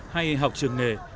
hay học trường nghề